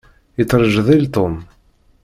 Yettrejdil Tom.